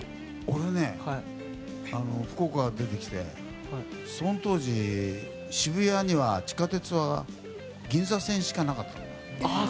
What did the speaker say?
俺ね、福岡から出てきてその当時、渋谷には地下鉄は銀座線しかなかったの。